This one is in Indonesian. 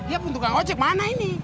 ya pun tukang ojek mana ini